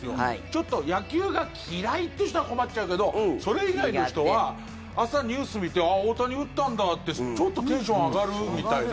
ちょっと野球が嫌いって人は困っちゃうけどそれ以外の人は朝、ニュース見て大谷打ったんだってちょっとテンション上がるみたいな。